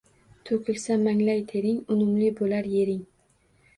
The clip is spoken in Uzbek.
To'kilsa manglay tering, unumli bo'lar yering.